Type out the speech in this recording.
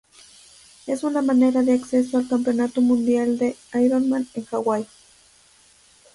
Es una manera de acceso al campeonato mundial de Ironman en Hawaii.